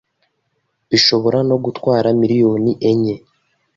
bishobora no gutwara miliyoni enye